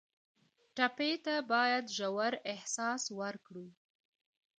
ټپي ته باید ژور احساس ورکړو.